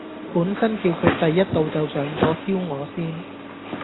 本身叫佢第一道就上左燒鵝先